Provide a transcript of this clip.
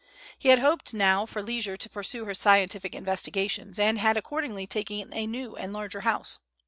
He had hoped now for leisure to pursue his scientific investigations, and had accordingly taken a new and larger house.